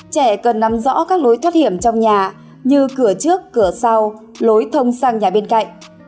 trẻ cần nắm rõ các lối thoát hiểm trong nhà như cửa trước cửa sau lối thông sang nhà bên cạnh